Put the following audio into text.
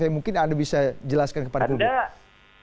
yang mungkin anda bisa jelaskan kepada publik